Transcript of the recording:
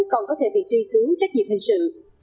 còn có thể bị truy cứu trách nhiệm hình sự